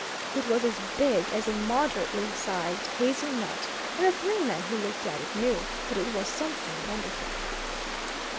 It was as big as a moderately sized hazel nut, and the three men who looked at it knew that it was something wonderful.